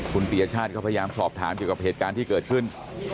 คุณปียชาติก็พยายามสอบถามเกี่ยวกับเหตุการณ์ที่เกิดขึ้น